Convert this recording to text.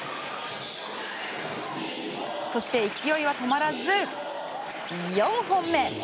そして勢いは止まらず４本目。